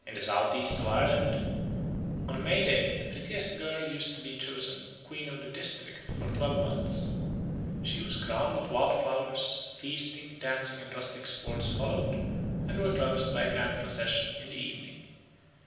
In the south east of Ireland on May Day the prettiest girl used to be chosen Queen of the district for twelve months. She was crowned with wild flowers; feasting, dancing, and rustic sports followed, and were closed by a grand procession in the evening.